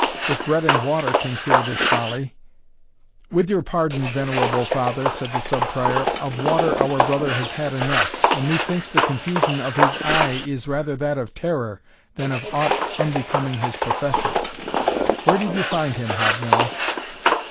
If bread and water can cure this folly " "With your pardon, venerable father," said the Sub Prior, "of water our brother has had enough; and methinks, the confusion of his eye, is rather that of terror, than of aught unbecoming his profession. Where did you find him, Hob Miller?"